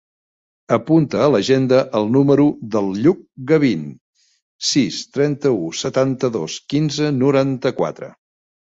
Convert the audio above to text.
Apunta a l'agenda el número del Lluc Gavin: sis, trenta-u, setanta-dos, quinze, noranta-quatre.